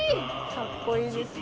かっこいいです。